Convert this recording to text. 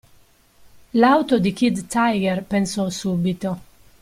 L'auto di Kid Tiger pensò subito.